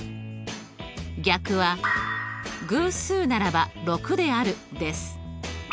逆は「偶数ならば６である」です。